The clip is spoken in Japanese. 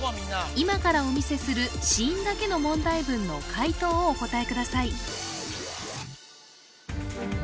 今からお見せする子音だけの問題文の解答をお答えください